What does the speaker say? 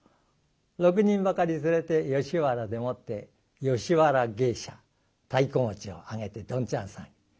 ６人ばかり連れて吉原でもって吉原芸者太鼓持ちを上げてどんちゃん騒ぎ。